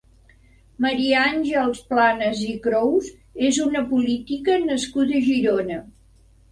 Maria Àngels Planas i Crous és una política nascuda a Girona.